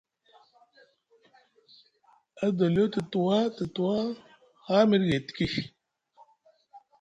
Adoliyo te tuwa te tuwa ha miɗi gay tiki.